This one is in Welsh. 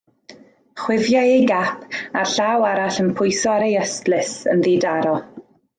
Chwifiai ei gap, a'r llaw arall yn pwyso ar ei ystlys, yn ddidaro.